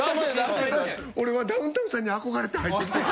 俺はダウンタウンさんに憧れて入ってきてん。